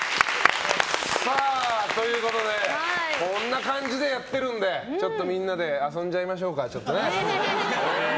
こんな感じでやってるのでちょっとみんなで遊んじゃいましょうか。